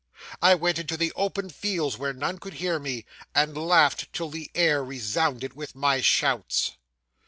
I went into the open fields where none could hear me, and laughed till the air resounded with my shouts!